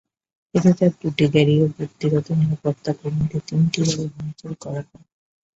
এতে তাঁর দুটি গাড়ি ও ব্যক্তিগত নিরাপত্তাকর্মীদের তিনটি গাড়ি ভাঙচুর করা হয়।